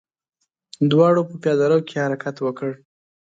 دواړو په پياده رو کې حرکت وکړ.